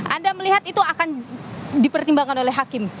anda melihat itu akan dipertimbangkan oleh hakim